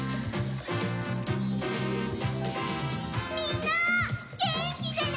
みんなげんきでね！